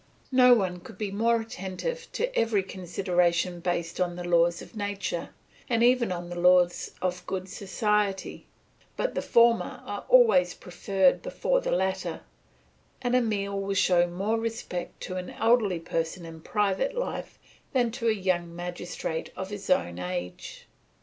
No one could be more attentive to every consideration based upon the laws of nature, and even on the laws of good society; but the former are always preferred before the latter, and Emile will show more respect to an elderly person in private life than to a young magistrate of his own age.